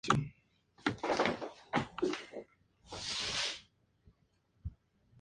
La suerte le cobra a Tania su ingratitud, y termina cayendo en la perdición.